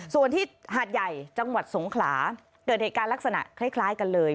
ส่วนที่หาดใหญ่จังหวัดสงขลาเกิดเหตุการณ์ลักษณะคล้ายกันเลย